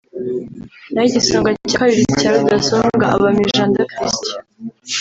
naho igisonga cya kabiri cya Rudasumbwa aba Mijanda Christian